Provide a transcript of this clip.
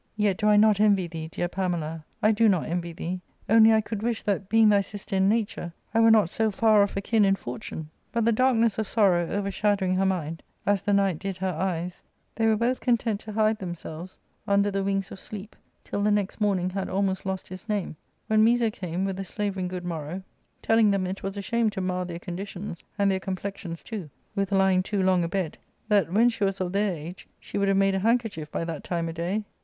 Yet do I not envy thee, dear Pamela, I do not envy thee ; only I could wish that, being" thy sister in nature, I were not so far off akin in fortune." But the darkness of sorrow overshadowing her mind, as the night did her eyes, they were both content to hide themselves under the wings of sleep till the next morning ha'd almost lost his name, when Miso came with a slavering good morrow, telling ' .r them it was a shame to mar their conditions, and their com plexions too, with lying too long abed ; that, when she was of their age, she would have made a handkerchief by that time a day.